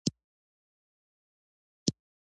دلته ډیر زیات خلک ناست وو.